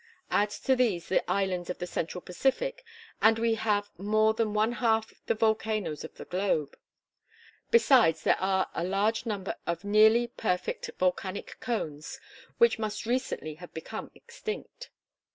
Add to these the islands of the Central Pacific, and we have more than one half the volcanoes of the globe. Besides there are a large number of nearly perfect volcanic cones which must recently have become extinct.